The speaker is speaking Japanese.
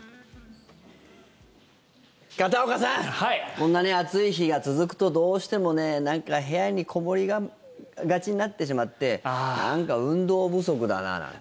こんなに暑い日が続くとどうしてもなんか部屋にこもりがちになってしまってなんか運動不足だななんて。